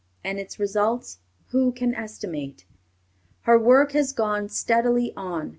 and its results, who can estimate? Her work has gone steadily on.